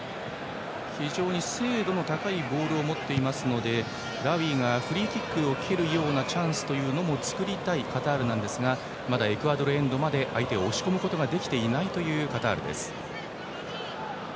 非常に精度の高いボールを持っていますのでラウィがフリーキックを蹴るようなチャンスも作りたいカタールなんですがまだエクアドルエンドまで相手を押し込むことができていないカタールです。